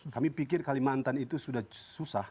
kami pikir kalimantan itu sudah susah